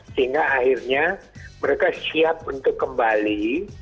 sehingga akhirnya mereka siap untuk kembali